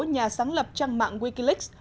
nhà sáng lập trang mạng wikileaks